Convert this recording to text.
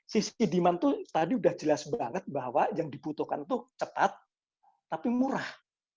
sisi demand itu tadi udah jelas banget bahwa yang dibutuhkan itu cepat tapi murah